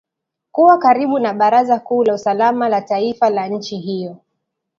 kuwa karibu na baraza kuu la usalama la taifa la nchi hiyo